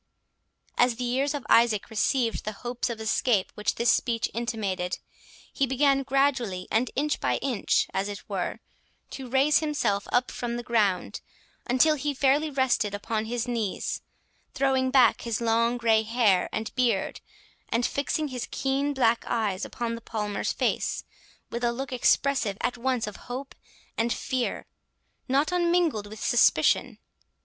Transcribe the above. As the ears of Isaac received the hopes of escape which this speech intimated, he began gradually, and inch by inch, as it were, to raise himself up from the ground, until he fairly rested upon his knees, throwing back his long grey hair and beard, and fixing his keen black eyes upon the Palmer's face, with a look expressive at once of hope and fear, not unmingled with suspicion.